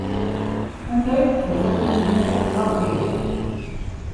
Anda ay d-tufa Taninna taknart-nni?